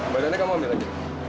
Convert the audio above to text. badannya kamu ambil lagi